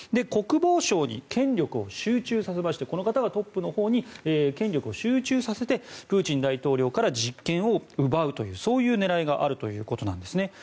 国防省に権力を集中させましてこの方がトップのほうに権力を集中させてプーチン大統領から実権を奪うというそういう狙いがあるということなんです。